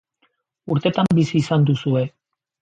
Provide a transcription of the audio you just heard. Urtetan bizi izan duzue.